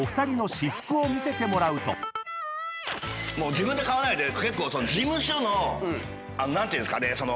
自分で考えて結構事務所の何ていうんですかねその。